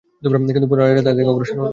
কিন্তু পুনরায় রাজা তার দিকে অগ্রসর হলো।